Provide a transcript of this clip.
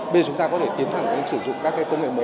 bây giờ chúng ta có thể tiến thẳng đến sử dụng các công nghệ mới